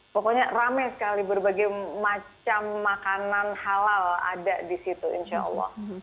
pokoknya rame sekali berbagai macam makanan halal ada di situ insya allah